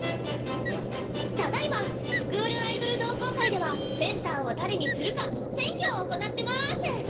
ただいまスクールアイドル同好会ではセンターを誰にするか選挙を行ってます！